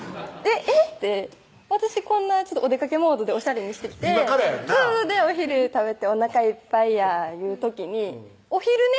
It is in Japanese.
えぇって私こんなおでかけモードでおしゃれにしてきて今からやんなお昼食べておなかいっぱいやいう時に「お昼寝？」